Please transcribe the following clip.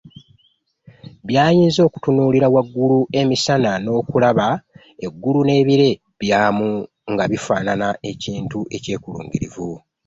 Byayinza okutunuulira waggulu emisana n'okulaba eggulu n'ebire byamu nga bifaanana ekintu eky'ekulungirivu.